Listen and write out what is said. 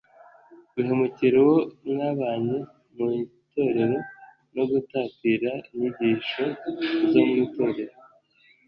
guhemukira uwo mwabanye mu itorero, no gutatira inyigisho zo mu itorero